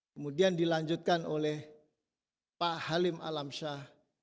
kemudian dilanjutkan oleh pak halim alamsyah